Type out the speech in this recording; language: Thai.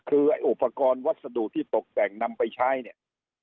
คือไอ้อุปกรณ์วัสดุที่ตกแต่งนำไปใช้เนี่ย